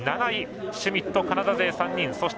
７位、シュミットカナダ勢３人。